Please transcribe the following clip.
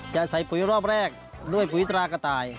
จะใส่ปุ๋ยรอบแรกด้วยปุ๋ยตรากระต่าย